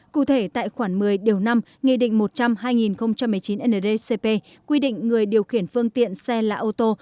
cụ thể tại khoản một mươi điều năm nghị định một trăm linh hai nghìn một mươi chín ndcp quy định người điều khiển phương tiện xe lạ ô tô